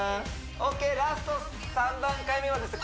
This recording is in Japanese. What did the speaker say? オーケーラスト３段階目はですね